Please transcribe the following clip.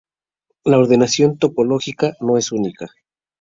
La ordenación topológica no es única.